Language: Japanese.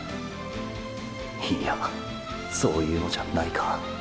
いやそういうのじゃないか。